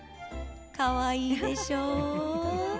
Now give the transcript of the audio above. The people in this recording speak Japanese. かわいいでしょ？